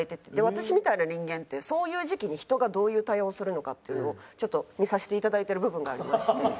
私みたいな人間ってそういう時期に人がどういう対応をするのかっていうのを見させて頂いてる部分がありまして。